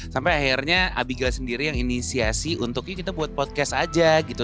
sampai akhirnya abigail sendiri yang inisiasi untuk ya kita buat podcast aja gitu